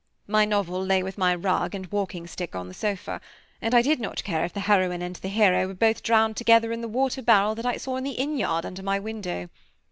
My novel lay with my rug and walking stick on the sofa, and I did not care if the heroine and the hero were both drowned together in the water barrel that I saw in the inn yard under my window.